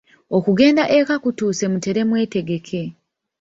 Okugenda eka kutuuse mutere mwetegeke.